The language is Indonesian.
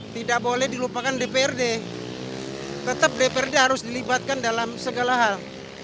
tidak boleh dilupakan dprd tetap dprd harus dilibatkan dalam segala hal